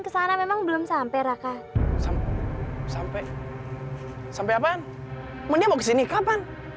sampai sampai sampai apaan mau kesini kapan